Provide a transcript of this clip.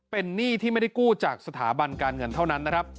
เป็นหนี้ที่ไม่ได้กู้จากสถาบันการเงินเท่านั้นนะครับ